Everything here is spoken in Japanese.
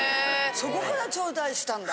そこから頂戴したんだ。